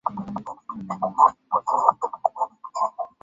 wakisafirisha dawa za kulevya silaha ukahaba na mengine mengi